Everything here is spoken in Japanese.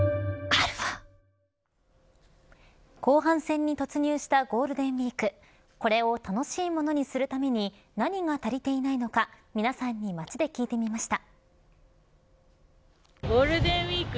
後半戦に突入したゴールデンウイークこれを楽しいものにするために何が足りていないのか皆さんに街で聞いてみました。